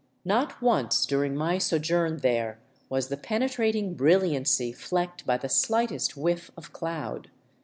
Not once during my sojourn there was the penetrating brilliancy flecked by the slightest whiff of cloud.